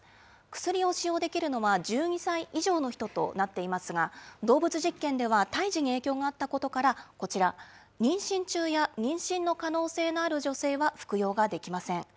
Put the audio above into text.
薬を使用できるのは１２歳以上の人となっていますが、動物実験では胎児に影響があったことから、こちら、妊娠中や妊娠の可能性のある女性は服用ができません。